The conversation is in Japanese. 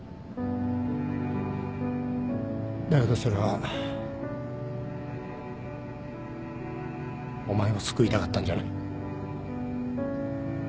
だけどそれはお前を救いたかったんじゃない。